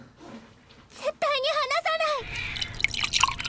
絶対に離さない！